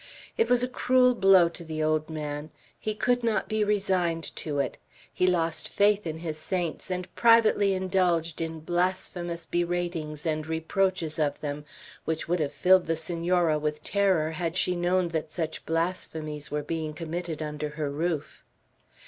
It was a cruel blow to the old man. He could not be resigned to it. He lost faith in his saints, and privately indulged in blasphemous beratings and reproaches of them, which would have filled the Senora with terror, had she known that such blasphemies were being committed under her roof.